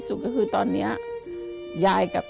ทำงานชื่อนางหยาดฝนภูมิสุขอายุ๕๔ปี